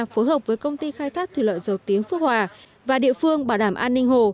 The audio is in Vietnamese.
phối hợp với công ty khai thác thủy lợi dầu tiếng phước hòa và địa phương bảo đảm an ninh hồ